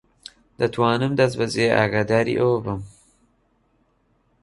دەتوانم دەستبەجێ ئاگاداری ئەوە بم.